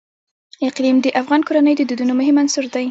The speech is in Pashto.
اقلیم د افغان کورنیو د دودونو مهم عنصر دی.